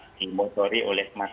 ini juga sesuatu yang luar biasa